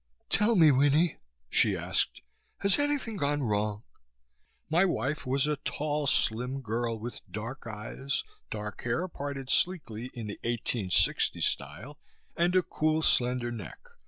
"Tell me, Winnie," she asked, "has anything gone wrong?" My wife was a tall, slim girl, with dark eyes, dark hair parted sleekly in the 1860 style, and a cool, slender neck.